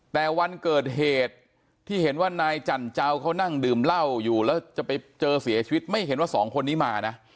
แต่วันเกิดเหตุที่เห็นว่านายจันเจ้าเขานั่งดื่มเหล้าอยู่แล้วจะไปเจอเสียชีวิตไม่เห็นว่าสองคนนี้มานะ